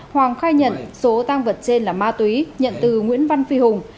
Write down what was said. hoàng khai nhận số tang vật trên là ma túy nhận từ nguyễn văn phi hùng